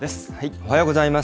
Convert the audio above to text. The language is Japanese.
おはようございます。